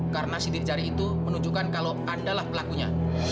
karena sidir jari itu menunjukkan kalau anda lah pelakunya